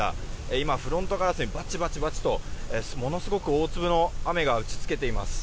今、フロントガラスにバチバチバチとものすごく大粒の雨が打ち付けています。